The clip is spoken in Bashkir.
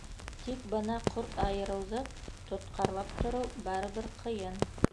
Тик бына ҡорт айырыуҙы тотҡарлап тороу барыбер ҡыйын.